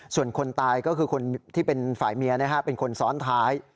ส่วนคนตายก็คือคนที่เป็นฝ่ายเมียเป็นคนซ้อนท้าย